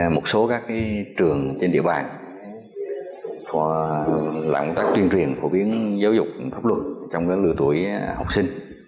một số các trường các trường phòng ngừa đối với các tội phạm xâm phạm tính mạng sức khỏe